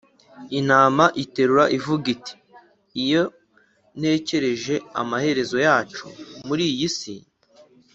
intama iterura ivuga iti« iyo ntekereje amaherezo yacu muri iyi si,